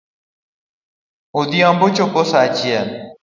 Odhiambo chopo saa achiel .